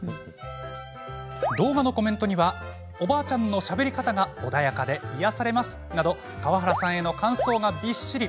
動画のコメントには「おばあちゃんの喋り方が穏やかで癒やされます。」など川原さんへの感想がびっしり。